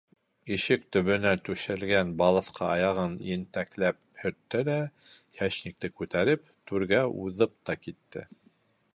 Ишек төбөнә түшәлгән балаҫҡа аяғын ентекләп һөрттө лә, йәшникте күтәреп, түргә уҙып та китте.